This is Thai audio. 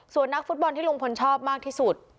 ส่วนนักฟุตบอลที่ลุงพลชอบมากที่สุด